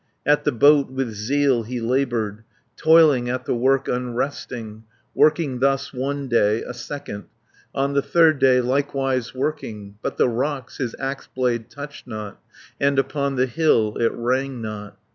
At the boat with zeal he laboured, Toiling at the work unresting, Working thus one day, a second, On the third day likewise working, But the rocks his axe blade touched not, And upon the hill it rang not.